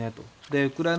ウクライナ